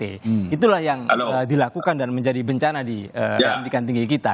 itulah yang dilakukan dan menjadi bencana di pendidikan tinggi kita